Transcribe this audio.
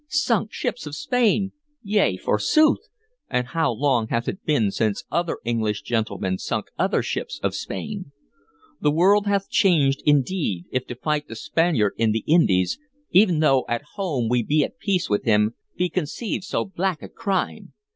Sunk ships of Spain! Yea, forsooth; and how long hath it been since other English gentlemen sunk other ships of Spain? The world hath changed indeed if to fight the Spaniard in the Indies, e'en though at home we be at peace with him, be conceived so black a crime!